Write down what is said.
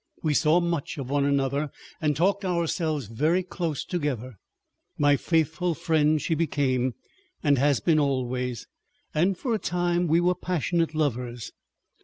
We saw much of one another, and talked ourselves very close together. My faithful friend she became and has been always, and for a time we were passionate lovers.